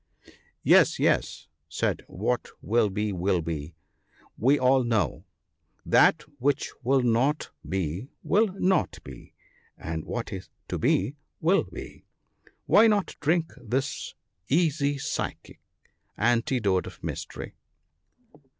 ' Yes, yes/ said What will be will be, ' we all know " That which will not be will not be, and what is to be will be : Why not drink this easy physic, antidote of misery